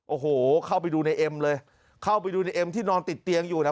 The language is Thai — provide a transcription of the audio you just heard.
โอ้โหเข้าไปดูในเอ็มเลยเข้าไปดูในเอ็มที่นอนติดเตียงอยู่นะ